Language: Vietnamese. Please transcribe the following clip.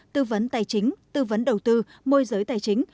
tư vấn tài chính tư vấn đầu tư môi giới tài chính